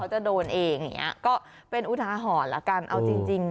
เขาจะโดนเองเนี่ยเป็นอุทาหอนละกันเอาจริง